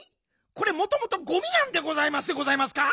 これもともとゴミなんでございますでございますか？